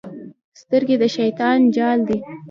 سترګې د شیطان جال دی.